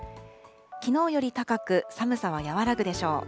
きのうより高く、寒さは和らぐでしょう。